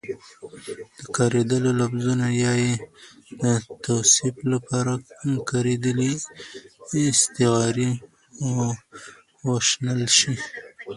د کارېدلو لفظونو يا يې د توصيف لپاره کارېدلې استعارې وشنل شي